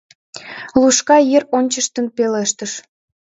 — Лушка йыр ончыштын пелештыш.